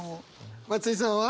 松居さんは？